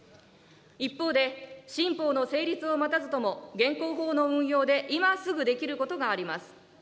一方で、新法の成立を待たずとも、現行法の運用で今すぐできることがあります。